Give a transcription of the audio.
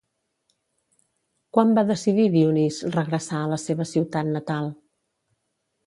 Quan va decidir, Dionís, regressar a la seva ciutat natal?